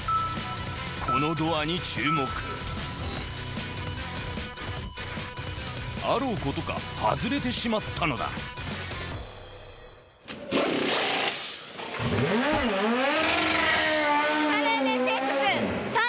このドアに注目あろうことかはずれてしまったのだスタンレー